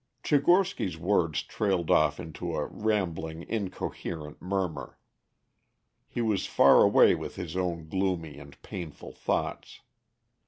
Tchigorsky's words trailed off into a rambling incoherent murmur. He was far away with his own gloomy and painful thoughts.